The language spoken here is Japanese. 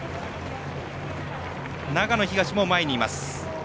長野東も前にいます。